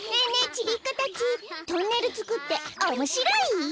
ちびっこたちトンネルつくっておもしろイ？